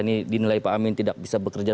ini dinilai pak amin tidak bisa bekerja